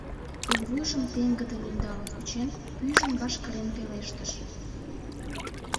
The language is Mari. Пулвуйжым пеҥгыдын ӧндалын кучен, пӱйжым ваш кырен пелештыш: